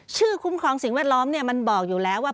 คุ้มครองสิ่งแวดล้อมมันบอกอยู่แล้วว่า